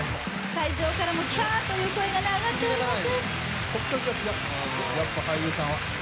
会場からもキャーッという声が上がっております。